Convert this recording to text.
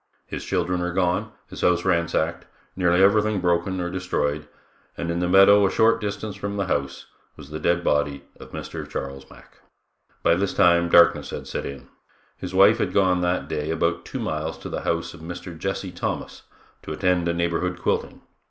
His children were gone, his house ransacked, nearly everything broken or destroyed, and in the meadow a short distance from the house was the dead body of Mr. Charles Mack. By this time darkness had set in. His wife had gone that day about two miles to the house of Mr. Jesse Thomas to attend a neighborhood quilting.